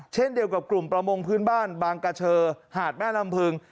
เช่นเดียวกับกลุ่มประมงพื้นบ้านบางกระเชอหาดแม่ลำพึง